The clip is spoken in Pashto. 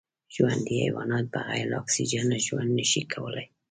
ژوندي حیوانات بغیر له اکسېجنه ژوند نشي کولای